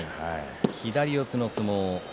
左四つの相撲です。